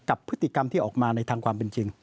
กับพฤติกรรมที่ออกมาในทางความเป็นจริง